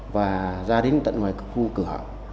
và ra đến tận ngoài khu cửa